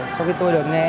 sau khi tôi được nghe nhạc